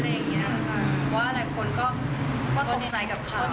เพราะว่าหลายคนก็ตรงใจกับการเค้า